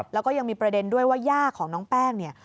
แล้วก็ยังมีประเด็นด้วยว่าย่าของน้องแป้งเนี่ย